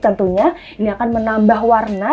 tentunya ini akan menambah warna